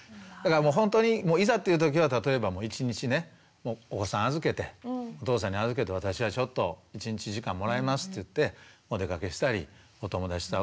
ほんとにもういざっていう時は例えば一日ねお子さん預けてお父さんに預けて「私はちょっと一日時間もらいます」って言ってお出かけしたりお友達と会うとか。